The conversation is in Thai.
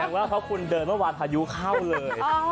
ว่าเพราะคุณเดินเมื่อวานพายุเข้าเลย